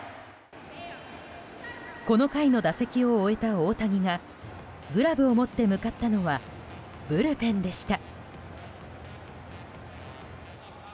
この回の打席を終えた大谷がグラブを持って向かったのはブルペンでした。